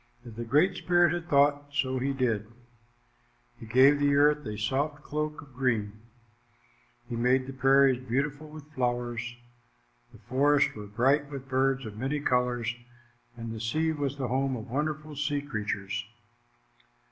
As the Great Spirit had thought, so he did. He gave the earth a soft cloak of green. He made the prairies beautiful with flowers. The forests were bright with birds of many colors, and the sea was the home of wonderful sea creatures.